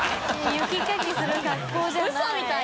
雪かきする格好じゃない。